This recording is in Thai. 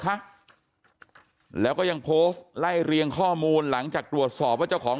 คะแล้วก็ยังโพสต์ไล่เรียงข้อมูลหลังจากตรวจสอบว่าเจ้าของ